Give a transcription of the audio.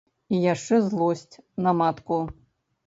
І яшчэ злосць на матку.